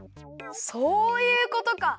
そういうことか！